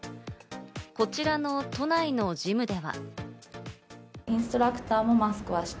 こちらの都内のジムでは。